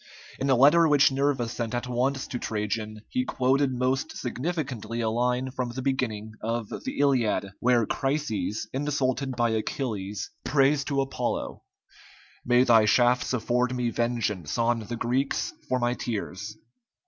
In a letter which Nerva sent at once to Trajan, he quoted most significantly a line from the beginning of the "Iliad," where Chryses, insulted by Achilles, prays to Apollo: "May thy shafts afford me vengeance on the Greeks for my tears."